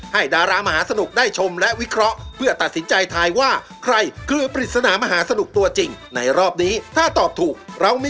โปรดติดตามตอนต่อไป